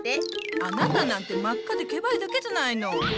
あなたなんて真っ赤でケバいだけじゃないの。